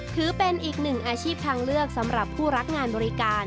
ถือเป็นอีกหนึ่งอาชีพทางเลือกสำหรับผู้รักงานบริการ